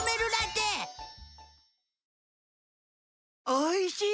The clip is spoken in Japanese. おいしい！